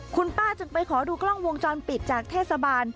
คุณป้าจึงไปขอดูกล้องวงจรปิดจากเทศบาล